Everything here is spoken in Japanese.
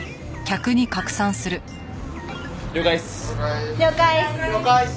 了解っす！